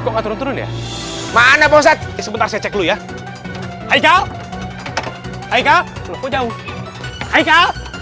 kok turun turun ya mana poset sebentar saya cek lu ya hai kau hai kau kau jauh hai kau